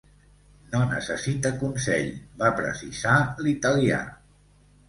No necessita consell, va precisar l’italià.